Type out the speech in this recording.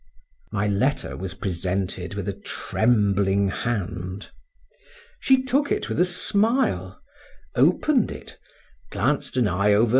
My letter was presented with a trembling hand; she took it with a smile opened it, glanced an eye over M.